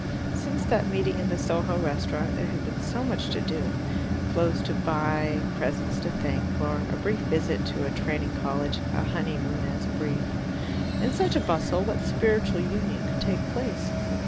Since that meeting in the Soho restaurant there had been so much to do clothes to buy, presents to thank for, a brief visit to a Training College, a honeymoon as brief. In such a bustle, what spiritual union could take place?